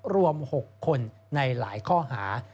รวม๖คนในหลายข้อหา